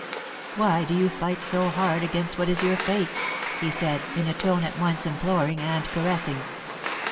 ' WTiy do you fight so hard gainst what is your fate ?" he said, in a tone at once imploring and caressing.